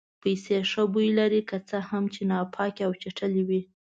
پیسې ښه بوی لري که څه هم چې ناپاکې او چټلې وي.